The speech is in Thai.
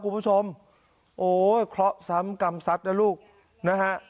คุณผู้ชมโอ้ยเคราะห์ซ้ำกรรมซัดนะลูกนะฮะ